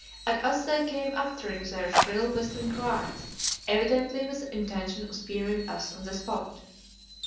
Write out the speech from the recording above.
At us they came uttering their shrill, whistling cries, evidently with the intention of spearing us on the spot.